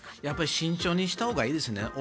やっぱり慎重にしたほうがいいですね。